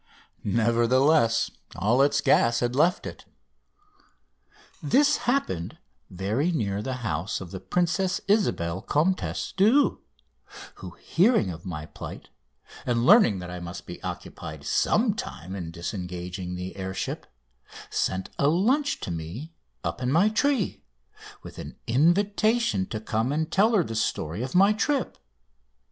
Nevertheless, all its gas had left it. This happened very near the house of the Princess Isabel, Comtesse d'Eu, who, hearing of my plight, and learning that I must be occupied some time in disengaging the air ship, sent a lunch to me up in my tree, with an invitation to come and tell her the story of my trip.